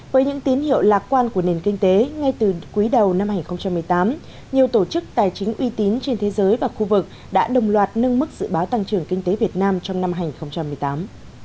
với những tín hiệu lạc quan của nền kinh tế ngay từ cuối đầu năm hai nghìn một mươi tám nhiều tổ chức tài chính uy tín trên thế giới và khu vực đã đồng loạt nâng mức dự báo tăng trưởng kinh tế việt nam trong năm hai nghìn một mươi tám